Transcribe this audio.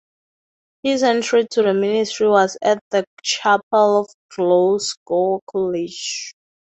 His entry to the ministry was at the Chapel of Glasgow College.